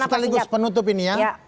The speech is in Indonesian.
sekaligus penutup ini ya